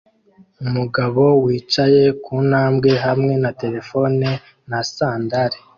umugabo wicaye ku ntambwe hamwe na terefone na sandali